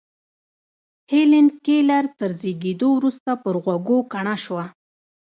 هېلېن کېلر تر زېږېدو وروسته پر غوږو کڼه شوه.